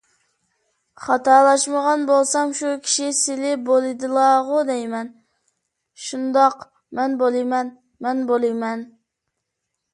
_ خاتالاشمىغان بولسام شۇ كىشى سىلى بولىدىلاغۇ دەيمەن؟ − شۇنداق، مەن بولىمەن، مەن بولىمەن.